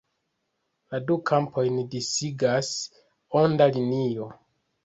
La du kampojn disigas onda linio.